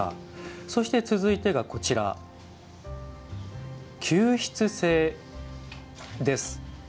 そして、続いてが吸湿性です。